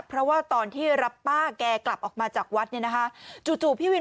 เพราะว่าตอนที่รับป้าแกกลับออกมาจากวัดเนี่ยนะคะจู่พี่วิน